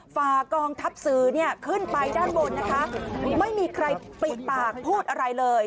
ฝากกองทัพสื่อเนี่ยขึ้นไปด้านบนนะคะไม่มีใครปิดปากพูดอะไรเลย